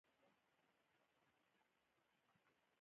هلته یې په ازادۍ ژوند کاوه.